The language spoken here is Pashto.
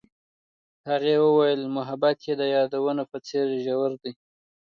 هغې وویل محبت یې د یادونه په څېر ژور دی.